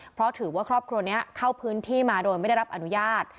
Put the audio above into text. เพราะถือว่าครอบครัวนี้เข้าพื้นที่มาโดยไม่ได้รับอนุญาต